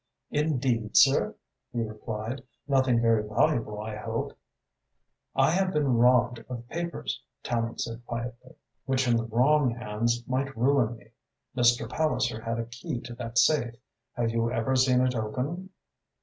"Indeed, sir?" he replied. "Nothing very valuable, I hope?" "I have been robbed of papers," Tallente said quietly, "which in the wrong hands might ruin me. Mr. Palliser had a key to that safe. Have you ever seen it open?"